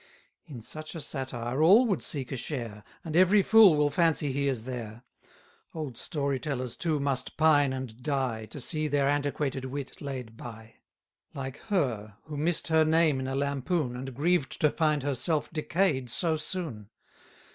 In such a satire all would seek a share, And every fool will fancy he is there. Old story tellers too must pine and die, To see their antiquated wit laid by; Like her, who miss'd her name in a lampoon, And grieved to find herself decay'd so soon.